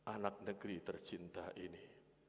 anak negeri tercinta ini